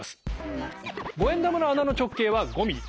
５円玉の穴の直径は５ｍｍ。